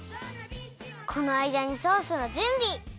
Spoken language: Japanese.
このあいだにソースのじゅんび。